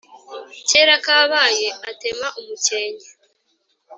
kera kabaye atema umukenke